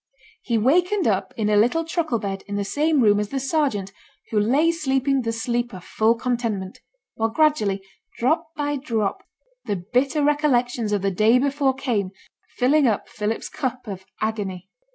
He wakened up in a little truckle bed in the same room as the sergeant, who lay sleeping the sleep of full contentment; while gradually, drop by drop, the bitter recollections of the day before came, filling up Philip's cup of agony.